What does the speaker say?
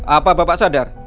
apa bapak sadar